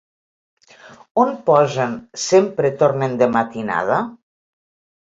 On posen Sempre tornen de matinada?